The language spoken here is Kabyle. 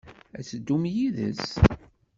Ad teddum yid-s?